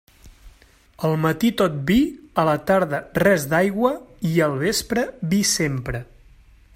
Al matí, tot vi; a la tarda, res d'aigua, i al vespre, vi sempre.